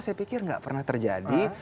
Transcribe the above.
saya pikir nggak pernah terjadi